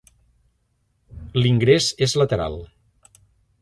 L'ingrés és lateral.